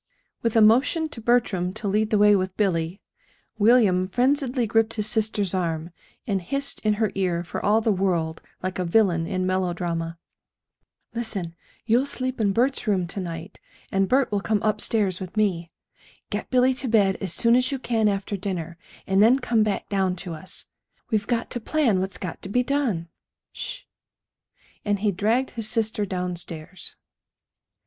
With a motion to Bertram to lead the way with Billy, William frenziedly gripped his sister's arm, and hissed in her ear for all the world like a villain in melodrama: "Listen! You'll sleep in Bert's room to night, and Bert will come up stairs with me. Get Billy to bed as soon as you can after dinner, and then come back down to us. We've got to plan what's got to be done. Sh h!" And he dragged his sister downstairs.